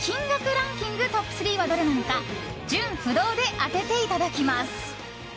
ランキングトップ３はどれなのか順不同で当てていただきます！